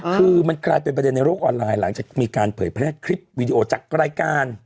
คือมันกลายเป็นประเด็นในโลกออนไลน์หลังจากมีการเผยแพร่คลิปวิดีโอจากรายการ